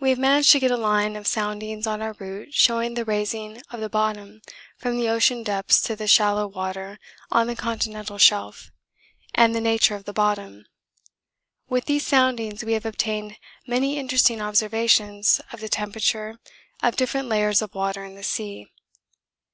We have managed to get a line of soundings on our route showing the raising of the bottom from the ocean depths to the shallow water on the continental shelf, and the nature of the bottom. With these soundings we have obtained many interesting observations of the temperature of different layers of water in the sea.